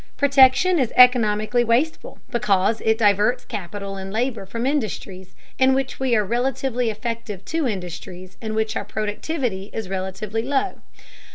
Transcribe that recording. Protection is economically wasteful because it diverts capital and labor from industries in which we are relatively effective to industries in which our productivity is relatively low.